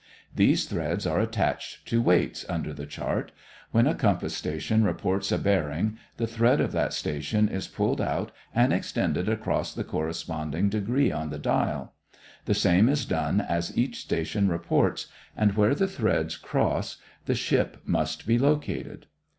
These threads are attached to weights under the chart. When a compass station reports a bearing, the thread of that station is pulled out and extended across the corresponding degree on the dial. The same is done as each station reports and where the threads cross, the ship must be located.